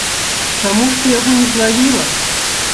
Чаму ж ты яго не злавіла?